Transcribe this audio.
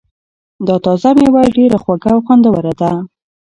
دا تازه مېوه ډېره خوږه او خوندوره ده.